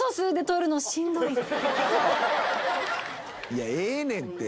「いやええねんて。